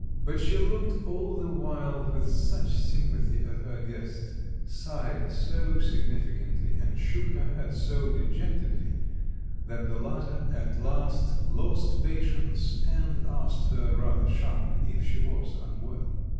But she looked all the while with such sympathy at her guest, sighed so significantly, and shook her head so dejectedly, that the latter at last lost patience and asked her rather sharply if she was unwell.